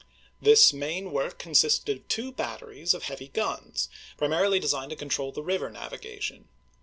This main work consisted of two batteries of heavy guns, primarily designed to control the river navigation.